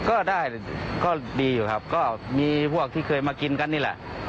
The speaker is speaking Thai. ก็ได้ก็ดีอยู่ครับก็มีพวกที่เคยมากินกันนี่แหละ